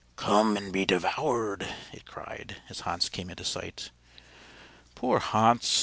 "Come and be devoured!" it cried, as Hans came into sight. Poor Hans!